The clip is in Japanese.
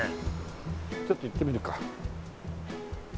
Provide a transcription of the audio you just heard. ちょっと行ってみるか。